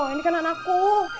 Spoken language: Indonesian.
ini kan anakku